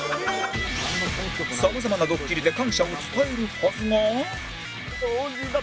様々なドッキリで感謝を伝えるはずが